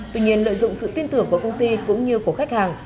tuy nhiên lợi dụng sự tin tưởng của công ty cũng như của khách hàng